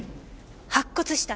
白骨死体？